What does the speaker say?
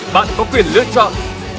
bạn có quyền lựa chọn